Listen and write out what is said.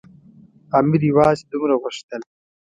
امیر یوازې دومره غوښتل.